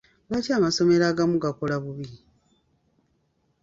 Lwaki amasomero agamu gakola bubi?